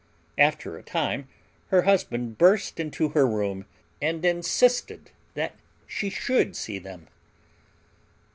After a time her husband burst into her room, and insisted that she should see them.